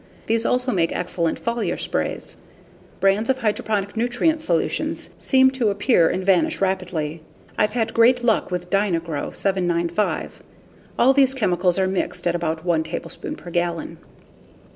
These also make excellent foliar sprays. Brands of hydroponic nutrient solutions seem to appear and vanish rapidly. I've had great luck with Dyna Gro 7 9 5. All these chemicals are mixed at about 1 tablespoon per gallon.